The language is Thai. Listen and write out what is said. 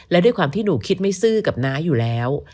และด้วยความที่หนูคิดไม่ซื่อกับน้าอยู่แล้ว